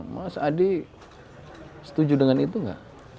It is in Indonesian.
mas adi setuju dengan itu nggak